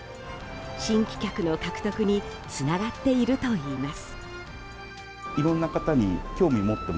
新規客の獲得につながっているといいます。